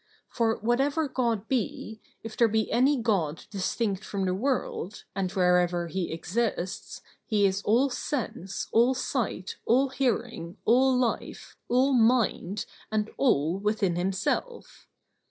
For whatever God be, if there be any God distinct from the world, and wherever he exists, he is all sense, all sight, all hearing, all life, all mind, and all within himself.